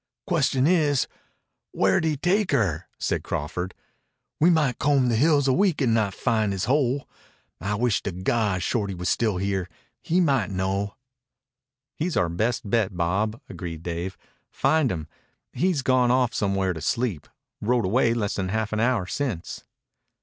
"Question is, where did he take her," said Crawford. "We might comb the hills a week and not find his hole. I wish to God Shorty was still here. He might know." "He's our best bet, Bob," agreed Dave. "Find him. He's gone off somewhere to sleep. Rode away less than half an hour since."